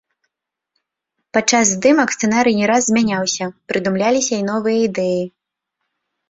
Падчас здымак сцэнарый не раз змяняўся, прыдумляліся і новыя ідэі.